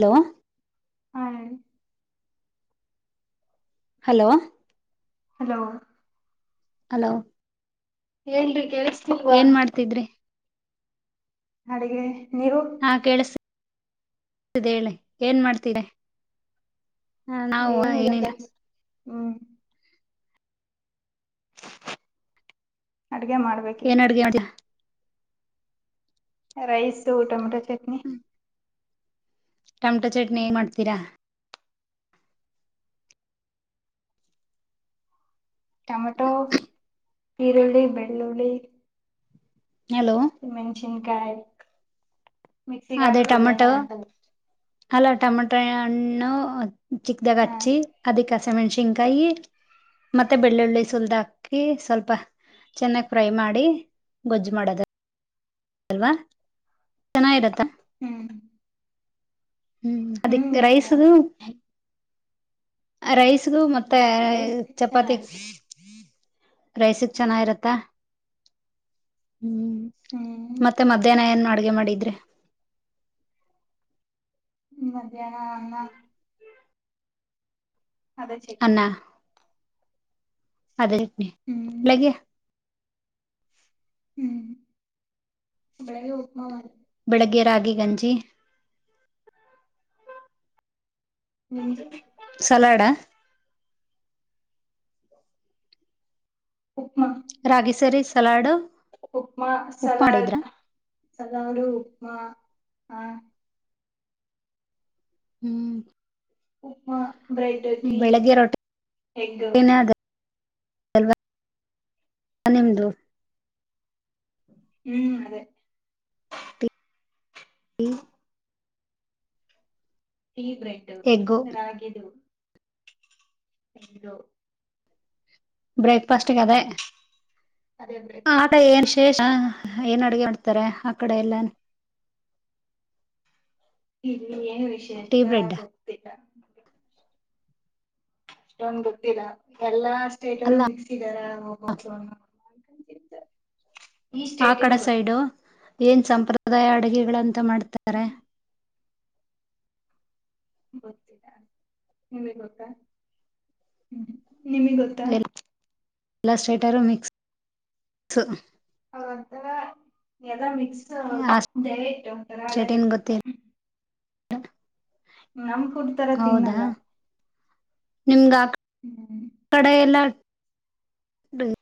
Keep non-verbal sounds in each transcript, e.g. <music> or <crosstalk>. Hello. ಹಾ hello hello hello ಹೇಳ್ರಿ ಕೆೇಳಸ ಏನ್ ಮಾಡ್ತಿದ್ರಿ ಅಡುಗೆ ಹಾ ಕೇಳಸ <inaudible> ಳಿ ಏನ್ ಮಾಡಾ್ತೀರ ಹಾ ನಾವು ಏನಿಲ್ಲ ಏನಿಲ್ಲಾ ಕೆಲ್ಸ ಹ್ಮ್. ಅಡುಗೆ ಮಾಡ್ಬೇಕ ಈಗ ಏನ್ ಅಡ್ಗೆ ಮಾಡ rice tomato chutney tomato chutney ಹ್ಮ್ ಮಾಡ್ತೀರಾ ಟೊಮಟೊ ಈರುಳ್ಳಿ ಬೆಳ್ಳುಳ್ಳಿ ಹಲೋ ಮೆಂಷನ್ ಗಾಯ ಮಿಸ ಗಾಕ ವ ಆ ಅಲ ಟಮಟೊ ಹಣ್ಣು ಹಾ ಚಿಕ್ದಾಗಿ ಅದಿಕ ಸಮೆಣಸಿನ್ಕಾಯಿ ಮತ್ತೆ ಬೆಳ್ಳುಳ್ಳಿ ಸುಲ್ದ ಹಾಕಿ ಸ್ವಲ್ಪ ಚೆನ್ನಾಗ್ ಫ್ರೈ ಮಾಡಿ ಗೊಜ್ಜ್ ಮಾಡದ ಅಲ್ವಾ ಚೆನ್ನಾಗಿರತ್ತ ಹ್ಮ್. ಹ್ಮ್ ಅದ ರೈಸ್ ರೈಸ್ಗು ಮೆ. ಮತ್ತೆ ರೈಸ್ ಚಪಾತಿ ಚೆನ್ನಾಗಿತ್ತು ರೈಸಕ್ ಚೆನ್ನಾಗಿರತ್ತ ಹ್ಮ್ ಹ್ಮ್ ಮತ್ತೆ ಮಧ್ಯಾಹ್ನ ಏನು ಅಡ್ಗೆ ಮಾಡಿ ಅ್ರ ಹ್ಮ ಮಧ್ಯಾಹ್ನ ಅಮ್ಮ ಅದ ಚಕ್ಕೇ ಅನ್ನ ಅದೇಟನೆ ಅಲ್ಲಗೆ ಹ್ಮ್ ಅಳಗೆ ಉಪ್ಪಮ ಮಾಡ. ಬೆಳಗ್ಗೆ ರಾಗಿ ಗಂಜಿ ನಿಮದು. ಸಲಾಡಾ ಹ ಹಾ ರಾಗಿ ಸರಿ salad upma salad salad upma ಹಾ ಹ್ಮ್ ಹಹ ಬ್ರೆಡ್ ಟೀ ಬೆಳಿಗ್ಗೆ ಎಗ್ ರೊಟ್ಟಿನೇ ಅದ ಅಲ್ವಾ ನಿಮ್ದು. ಹ್ಮ್ ಅದೇ ಹ್ಮ ಈೀ ಬ್ರೆಡ್ ಎಗ್ಗು ರಾಗಿದು ಹದು ಬ್ರೇಕ್ಫಾಸ್ಟ್ ಕದಾ ಅದೇ ಬೇಕು ಆತ ಏನ್ ಶೇಷ ಏನ್ ಅಡ್ಗೆ ಮಾಡಡ್ತಾರೆ ಆ ಕಡೆ ಎಲ್ಲ ಇ ಏನು ಟೀ ವಿಶೇರ್ಷ ಬ್ರೆಡ್ ಬತಗ ಅಷ್ಟೊಂದ ಗೊತ್ತಿಲ್ಲ ಎಲ್ಲಾ ಅಟ್ರು ಅಲ್ಲ ಮಕ್ಸಿದಡ <unintelligible> ಆ ಕಡೆ ಸೈಡು. ಏನ್ ಸಂಪ್ರದಾಯ ಅಡುಗೆಗಳ ಎಂತ ಮಾಡ್ತಾರೆ ಗೊತ್ತಿಲ್ಲ ನಿಮಿಗ್ ಗೊತ್ತಾ ನಿಮಿಗ್ ಗೊತ್ತಾ ಎಲ್ಲಾ ಸ್ಟ್ರೇಟ ಮಿಕ್ಸ್ ಅವ್ರಂತರ ಎಲ್ಲ ಮಿ ಆ ಸ್ಟೇಟ್ ಏನ್ ಗೊತ್ತಿಲ್ಲ <unintelligible> ನಮ್ ಫುಡ್ ತರ ಹೌದಾ ತಿನ್ನಲ್ಲ. ನಿಮ್ಗ ಆ ಹ್ಮ್ ಕಡೆ ಎಲ್ಲ <unintelligible>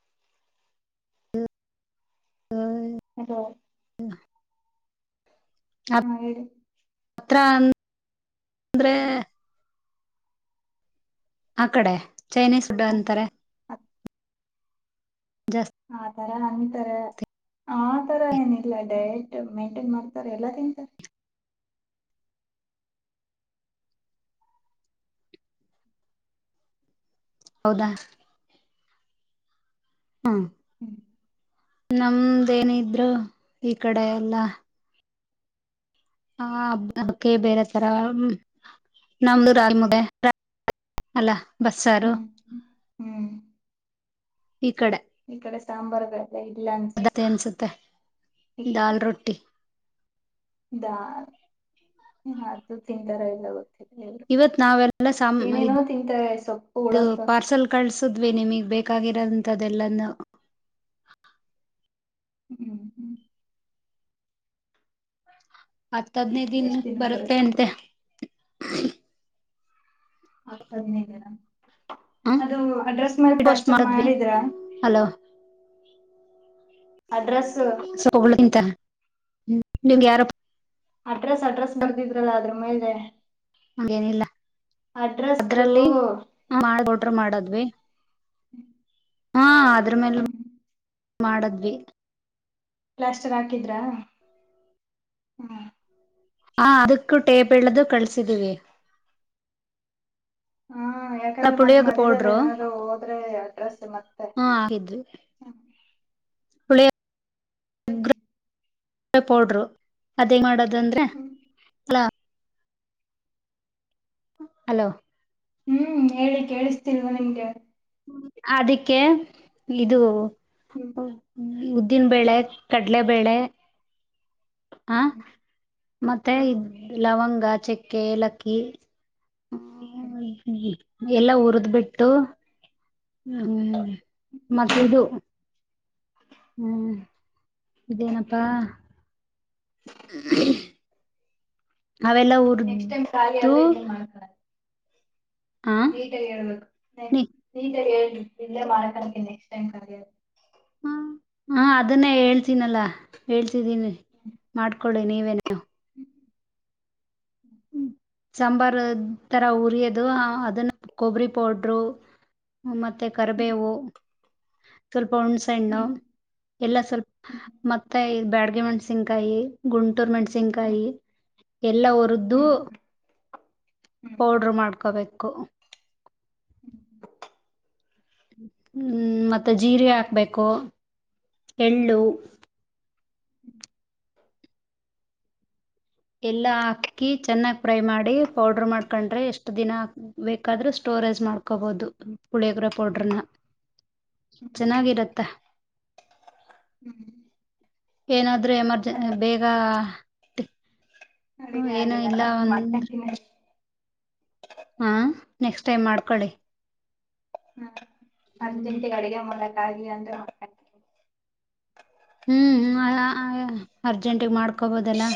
<unintelligible> ಆ ಹಾ ಹೇಳ್ರಿ ಹತ್ರ ಅಂದ್ರೆ ಆ ಕಡೆ ಚೈನೀಸ್ ಫುಡ್ ಅಂತಾರೆ ಜಾಸ್ತಿ <unintelligible> ತರ ಅಂತಾರೇ ಆ ತರ ಏನಿಲ್ಲ ಡಯಟ್ ಮೇಂಟೈನ್ ಮಾಡ್ತಾರ ಎಲ್ಲಾ ತಿನ್ತಾರೆ. ಹೌದಾ ಹಾ ಹ್ಮ್ ನಮ್ದೇನಿದ್ರು ಈ ಕಡೆ ಎಲ್ಲಾ ಹಬ್ಬಕೇ ಬೇರೆ ತರ ನಮ್ದು ರಾಲ್ ಮುದ್ದೆ ಅಲ್ಲ. ಬಸ್ಸಾರು ಹ್ಮ್ ಹ್ಮ್. ಹ್ಮ್ ಈಕಡೆ ಸಾಂಬಾರ್ಗೇ ಆಗತ್ತೆ ಅನ್ಸುತ್ತೆ ದಾಲ್ ರೊಟ್ಟಿ ಇದಾ ಅದು ತಿಂತಾರ ಇಲ್ಲ ಗೊತ್ ಇವತ್ ನಾವೆಲ್ಲ ತಿಂತಾರೆ ಇದು ಸೊಪ್ಪುಗಳಂತ ಪಾರ್ಸಲ್ ಕಳ್ಸಿದ್ವಿ ನಿಮಗ್ ಬೇಕ್ ಕಾಗಿರೋದಂತದೆಲ್ಲಾನು ಹ್ಮ್ ಹ್ಮ್ ಹತ್ತ ಹದ್ನೇ ದಿನ್ ಎಷ್ಟ್ ದಿನಕ್ಕೆ ಬರುತ್ತೆ ಬರುತ್ತ ಅಂತೆ ಹತ್ತ ಹದಿನೈದು ದಿನ ಹ ಅದು ಅಡ್ರೆಸ್ ಮೇಲೆ ಪೋಸ್ಟ್ ಪ್ಲಾಸ್ಟರ್ ಮಾಡಿದ್ವಿ ಮಾಡಿದ್ರಾ. ಹಲೋ <unintelligible> ಹ್ಮ ನೀಂಗ ಯಾರೋ ಅಡ್ರೆಸ್ ಅಡ್ರೆಸ್ ಬರ್ದಿದ್ರಲ್ಲ ಅದ್ರ ಮೇಲೆ ಹಾಗೇನಿಲ್ಲ ಅಡ್ರೆಸ್ದು ಅದ್ರಲ್ಲಿಡ್ರ ಆರ್ಡರ್ ಮಾಡದ್ವಿ ಹಾ ಅ ಅದ್ರಮೇಲ್ಲೆ ಮಾಡದ್ವಿ. ಪ್ಲಾಸ್ಟರ್ ಹಾಕಿದ್ರ ಹ್ಮ ಹ ಅದಕ್ಕೂ ಟೇಬ್ಳ್ದ ಕಳ್ಸಿದೀವಿ. ಹ್ಮ ಯಾಕಂದ್ರೆ ಮತ್ ಪುಳಿಯೋಗ್ರ ಮದದದಲ್ಲಿ ಪೌಡ್ರು ಏನಾದ್ರು ಹೋದ್ರೆ ಅಡ್ರೆಸ್ ಮತ್ತೆ ಹಾ ಹುಳಿಯ ಹ್ಮ್ ಪೌಡ್ರು ಅದೇ ಮಾಡದು ಅಂದ್ರೆ ಹ್ಮ್ ಹಲ್ಲೋ ಹಲೋ ಹ್ಮ್ ಹೇಳಿ ಕೇಳಿಸ್ತಿಲ್ವಾ ನಿಮ್ಗೆ ಅದಕ್ಕೆ ಇದು ಹ್ಮ್ ಹ ಹ್ಮ ಉದ್ದಿನ ಬೇಳೆ ಕಡಲೆಬೇಳೆ. ಹ ಹ್ಮ್ ಮತ್ತೆ ಹ್ಮ್ ಇದ ಲವಂಗ ಗ ಚೆಕ್ಕೆ ಏಲಕ್ಕಿ ಹ್ಮ್ ಹ. ಎಲ್ಲ ಉರಿದ್ ಬಿಟ್ಟು ಹ್ಮ್ಮ್ ಮತ್ತೆ ಇದು ಹ್ಮ್ ಇದೇನಪ್ಪಾ <inaudible> ಅವೆಲ್ಲ ನೆಕ್ಸ್ಟ್ ಟೈಮ್ ಖಾಲಿ ಉರ್ದು ಆದ್ರೆ ಇಲ್ಲೇ ಮಾಡ್ಕೊಳ ನೀಟಾಗಿ ಹೇಳ್ಬೇಕು ನೀ ನೀಟಾಗಿ ಹೇಳ್ ಇಲ್ಲೇ ಮಾಡಕನಕ್ಕೆ ನೆಕ್ಸ್ಟ್ ಟೈಮ್ <unintelligible> ಹ ಹಾ ಅದನ್ನೇ ಹೇಳ್ತೀನಲ್ಲಾ ಹೇಳ್ ಿದ್ದೀನಿ ಮಾಡ್ ಹಕೊಳ್ಳಿ ನೀವೆೇನು. ಸಾಂಬಾರ್ ತರ ಉರಿಯೋದು ಅದನ್ನ ಕೊಬ್ಬರಿ ಪೌಡ್ರು ಮೆ ತ್ತ ಹ್ಮ್ ಕಟ್ಟಬೇವು ಸ್ವಲ್ ಪ ಹುಣಸೆನ್ನು ಹ್ಮ್ ಹ್ಮ್ ಎಲ್ಲ ಸ್ವಲ್ಪ ಮತ್ತೆ ಇದ್ ಬ್ಯಾಡ್ಗೆಮೆಂಟ್ ಸಿಂಗಕಾಯಿ ಗುಂಟ್ <unintelligible> ಹ್ಮ್ ಮೆಂನ್ಸಿಕಾಯಿ ಎಲ್ಲ ಒ ದೂ. ಹ್ಮ್ ಹ್ಮ್ ಹ್ಮ್ ಪೌಡ್ರ ಮಾಡ್. ಹಡ್ಕೋಬೇಕು. ಹ್ಮ್ ಮತ್ತೆ ಜೀರೆ ಹಾಕ್ಬೇಕು.. ಎಳ್ಳು. ಎಲ್ಲ ಹಾಕಿ ಚೆನ್ನಾಗ್ ಫ್ರೈ ಮಾಡಿ ಪೌಡ್ರ ಮಾಡ್ಕೊಂಡ್ರೆ ಎಷ್ಟು ದಿನಾ ಬಾದ್ರೆ ಸ್ಟೋರೇಜ್ ಮಾಡ್ಕೋಬೋದು ಪುಳಿಯಗರ ಪೌಡ್ರನ್ನ. ಚೆನ್ನಾಗಿರತ್ತ. ಹ್ಮ್. ಏನಾದ. ಇದ್ರೆ ರ್ಮರ್ಜೆನ್ಸಿ ಮತ್ತೆ ಬೇಗ. <inaudible> ಅಡುಗೆ ಏನು ಆಗಿಲ್ಲ ಇಲ್ಲ ಮತ್ತ. ಹಾ ನೆಕ್ಸ್ಟ್ ಟೈಮ್ ಮಾಡ್ಕೊಳ್ಳಿ. ಹ್ಮ. ಅರ್ಜೆಂಟಿನ ಅಡಿಗೆ ಮ. ಹಾಗಾಗಿ ಅಂದ್ರೆ. ಹ್ಮ್ ಅರ್ಜೆಂಟಗ್ ಮಾಡ್. ಹಕೊಬೋದಲ್ಲ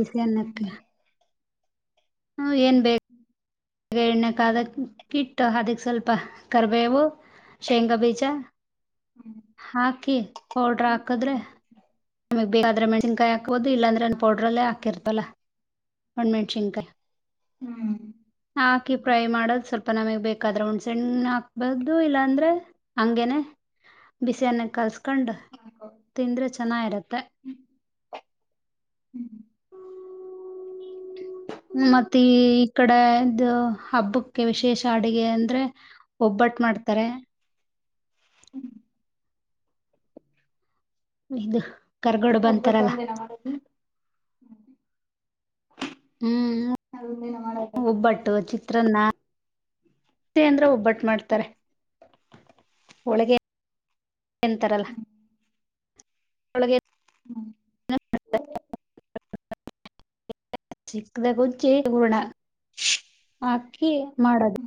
ಬಿಸಿ ಅನ್ನಕ್ಕೆ. ಹ್ಮ್ ಹ್ಮ ಏನ್ ಹ್ಮ್ ಬೇ ಗ ಎಣ್ಣಕ್ದಕ್ ಕಿಟ್ಟ ಅದಕ್ ಸ್ವಲ್ಪ ಕರ್ಬೇವು ಶೇಂಗಾ ಬೀಜ ಹ್ಮ್ ಹಾಕಿ ಪೌಡ್ರ ಹಾಕದ್ರೆ ಮಾಡ್ಕೋಬೋದು. ್ರ <inaudible> ಸಿನ್ಕಾಯ ಹಾಬೋ ಇಲ್ಲಂದ್ರ ನನು ಪೌಡ್ರಲ್ಲೇ ಹಾಕಿರ್ತಲ್ಲ ಒಣ ಮೆಂನ್ಸಿಕಾಯಿ. ಹ್ಮ್. ಹಾಕಿ ಫ್ರೈ ಮಾಡೋದು ಸ್ವಲ್ಪ. ನಮಗ್ ಬೇಕಾದ್ರ ಹುಣ್ಸೆಣ್ಣ ಹಾಕ್ಬಹದು ಇಲ್ಲಾ ಅಂದ್ರೆ ಹಂಗೇನೆ ಬಿಸ್ಣ ಕಲ್ಸ್ ಕಂಡ ತಿಂದ್ರ <inaudible> ಚೆನ್ನಾಗಿರುತ್ತೆ ಹ್ಮ್ <unintelligible> ಹ್ಮ್ ಮತ್ತ ಈ ಈ ಕಡೆದು ಹಬ್ಬಕ್ಕೆ ವಿಶೇಷ ಅಡುಗೆ ಅಂದ್ರೆ ಒಬ್ಬಟ್ಟ ಮಾಡ್ತಾರೆ ಹ್ಮ್ ಇದು ಕರ್ಗಡು ಒಬ್ಬಟ್ಟು ಬಂತಾರಲ್ಲ. ಒಂದಿನ ಮಾಡೋದು ಹ್ಮ್ ಅದೊಂದಿನ ಮಾಡೋದು <inaudible> ಒಬ್ಬಟ್ಟು ಚಿ ಹತ್ರ ನಾ ಹ್ಮ್ ಒಳಗೆ. ಎಂತರಲ್ಲ. ಒಳಗೆ <unintelligible> ಹ್ಮ್ ಸಿಕ್ಕದಗಂಚೇಣ <inaudible> ಹ್ಮ್. ಆಕಿ ಮಾಡದು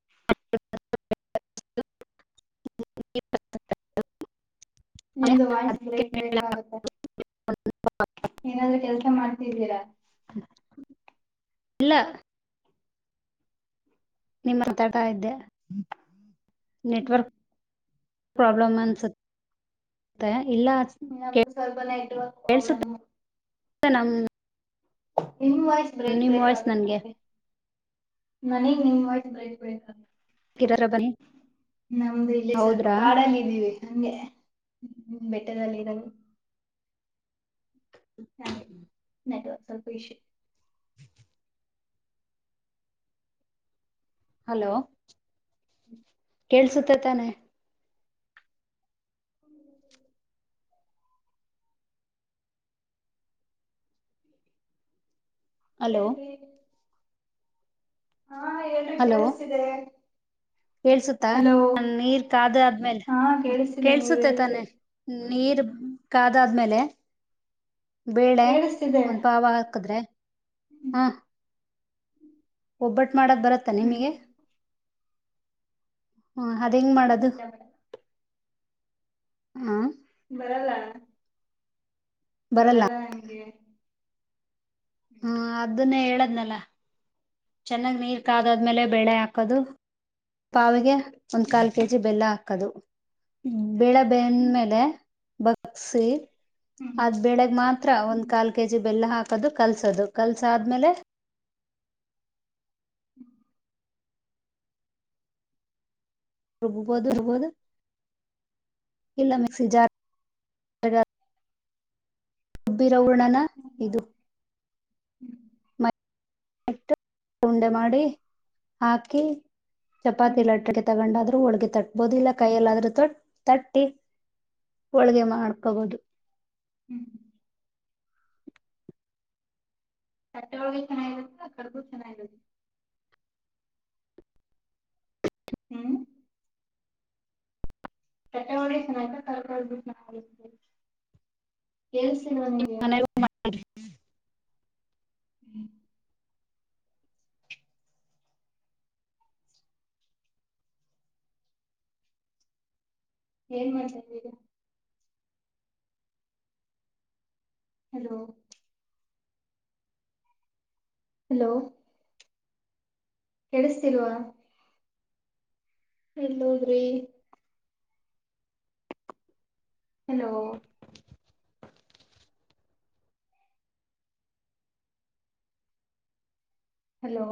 <unintelligible> ನಿಮ್ದು ವಾಯ್ಸ್ ಬ್ರೇಕ್ ಬ್ರೇಕ್ ಆಗುತ್ತೆ ಏನಾದ್ರ. ಕೆಲ್ಸ ಮಾಡ್ತಿದ್ದೀರಾ. ಇಲ್ಲ. ನಿಮ್ಮ ತಟ ಆಯಿತೇ. ಹ್ಮ್ ನೆಟ್ವರ್ಕ್. ಪ್ರಾಬ್ಲಮ್ ಅನ್ಸತ್ತೆ. ನಮ್ ಸ್ವಲ್ಪ ನೈಟ್ ವರ್ಕ್ ಪ್ರಾಬ್ಲೆಮ್. ನ <inaudible> ಹ ನಿನ್ ವಾಯ್ಸ್ ಬ್ರೇಕ್ ಬ್ರೇಕ್ ಆಗುತ್ತೆ ನನ್ಗೆ ನಮಗೆ. ನನಗ್ ನಿಮ್ಮ ವಾಯ್ಸ್ ಬ್ರೇಕ್ ಬ್ರೇಕ್ ಆಗ. ಕಿರರ ಬನ್ನಿ ನಮ್ದು ಇಲ್ಲಿ ಸ್ವಲ್ಪ ಹೌದ್ರಾ ಕಾಡಲ್ಲಿದ್ದೀವಿ ಹಂಗೇ. ಹ್ಮ್ ಹ್ಮ್ <inaudible> ಬೆಟ್ಟದಲ್ಲಿ ಇರದು. ತಾನೆ ನೆಟ್ವರ್ಕ್ <inaudible> <unintelligible> ಹಲೋ. ಕೇಳ್ಸುತ್ತೆ ಇಶ್ಯೂ. ತಾನೆ. ಹ್ಮ <inaudible> ಹಿ ಹಲೋ <unintelligible> ಹಲೋ ಕೇಳಿಸ್ತಿದೆ ಕೇಳ್ಸುತ್ತ ಹಲೋ ನೀರ್ ಕಾದ ಆದ್ಮೇಲೆ ಹಾ ಕೇಳಿಸ್ತಿದೆ ನೀವ್ ಕೇಳ್ಸುತ್ತೆ ಹೇಳ್ರಿ ತಾನೆ. ನೀರ್ ಕಾದ ಆದ್ಮೇಲೆ. ಬೇಳೆ ಕೇಳಿಸ್ತಿದೆ ಒಂದ ಪಾವ ಹಾಕದ್ರೆ ಹಾ. ಒಬ್ಬಟ್. ಮಾಡಕ್ ಬರತ್ತಾ ಹ್ಮ್ ನಿಮಗೆ. ಹ್ಮ ಅದ ಹೆಂಗ್ ಮಾಡದು. ಇಲ್ಲ ಹಾ ಬರಲ್ಲ ಬರಲ್ಲ ನಂಗೆ ಹ್ಮ ಅದನ್ನ ಹೇಳ ನಲ್ಲ ಚೆನ್ನಾಗ್ ನೀರ್ ಕಾದಾದ್ಮೇಲೆ ಬೇಳೆ ಹಾಕದು. ಪಾವಗೆ ಒಂದ್ ಕಾಲ್ ಕೆಜಿ ಬೆಲ್ಲ ಹದು ಬೆಳೆ ಬೆಂದ ಮೇಲೆ ಬಗ್ಸಿ ಅದ್ ಬೆಳಗ್ ಮಾತ್ರ ಒಂದ್ ಕಾಲ್ ಕೆಜಿ ಬೆಲ್ಲ ಹಾಕ್ ಅದು ಕಲ್ಸದು ಕಲ್ಸ ಆದ್ಮೇಲೆ. ರೂಬ್ಬೋದು ರೂಬ್ಬೋದು ಇಲ್ಲ ಮಿಕ್ಸಿ ಜಾರ್ ಗ ಉಬ್ಬಿರವುರ್ಣನ ಇದು <inaudible> ಉಂಡೆ ಮಾಡಿ ಹಾಕಿ ಚಪಾತಿ ಲಟ್ಟೆ ತಗೊಂಡಾದ್ರ ಹೋಳ್ಗೆ ತಟ್ಬಹುದು ಇಲ್ಲ ಕೈಯಲ್ಲಾದ್ರೂ ತಟ್ ತಟ್ಟಿ ಹೋಳ್ಗೆ ಮಾಡ್ಕೋಬೋದು ಹ್ಮ್ <inaudible> ಕಟ್ಟೆ ಒಳಗ ಚೆನ್ನಾಗಿರುತ್ತ ಆ ಕಡಗು ಚೆನ್ನಾಗಿರತ್ತ ಹ್ಮ್ <unintelligible> ನಿಂಗೆ <unintelligible> <inaudible> <unintelligible> ಹಲೋ ಹಲೋ ಕೇಳಿಸ್ತಿಲ್ವಾ ಎಲ್ ಹೋದ್ರಿ ಹಲೋ ಹಲೋ